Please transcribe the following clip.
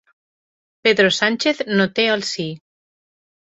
Pedro Sánchez no té el sí